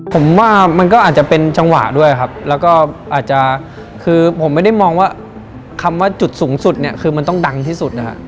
ผมว่ามันก็อาจจะเป็นจังหวะด้วยครับแล้วก็อาจจะคือผมไม่ได้มองว่าคำว่าจุดสูงสุดเนี่ยคือมันต้องดังที่สุดนะฮะ